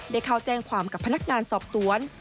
ได้เข้าแจ้งความกับพนักงานสอบสวน